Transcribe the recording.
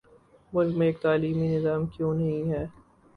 ملک میں ایک تعلیمی نظام کیوں نہیں ہے؟